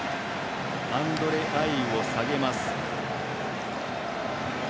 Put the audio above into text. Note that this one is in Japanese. アンドレ・アイウを下げます。